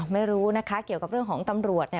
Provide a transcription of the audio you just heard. ไม่รู้นะคะเกี่ยวกับเรื่องของตำรวจ